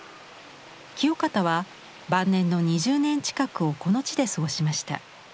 清方は晩年の２０年近くをこの地で過ごしました。